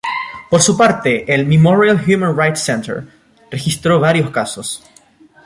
Por su parte, el Memorial Human Rights Center registró varios casos.